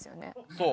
そう。